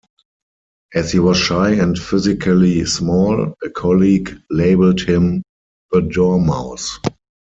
As he was shy and physically small, a colleague labelled him 'the door mouse'.